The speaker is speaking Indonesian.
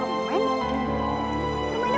rumah ini buat tim segitu buat mana